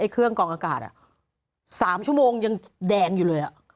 เครื่องกองอากาศ๓ชั่วโมงยังแดงอยู่เลย